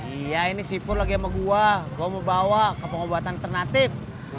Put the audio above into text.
iya ini si pur lagi sama gue gue mau bawa ke pengobatan alternatif